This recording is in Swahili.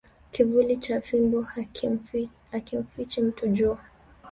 Kivuli cha fimbo hakimfichi mtu jua